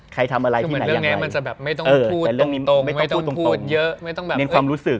ใครทำอะไรที่ไหนอย่างไรแต่เรื่องนี้ไม่ต้องพูดตรงไม่ต้องพูดเยอะเน้นความรู้สึก